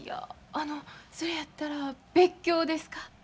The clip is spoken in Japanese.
あのそれやったら別居ですか？